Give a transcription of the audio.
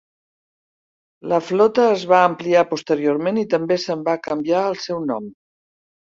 La flota es va ampliar posteriorment i també se"n va canviar el seu nom.